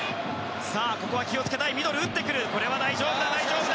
ここは気をつけたいミドル、打ってくるこれは大丈夫だ。